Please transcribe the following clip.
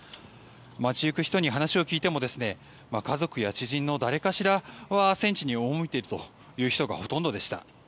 街ゆく人に話を聞いても家族や知人の誰かしらは戦地に赴いているという人がほとんどでした。